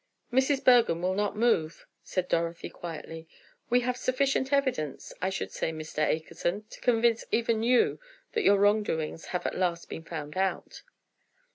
"Mrs. Bergham will not move," said Dorothy, quietly. "We have sufficient evidence, I should say, Mr. Akerson, to convince even you that your wrong doings have at last been found out."